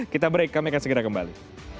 kita break kami akan segera kembali